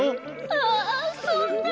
ああそんな。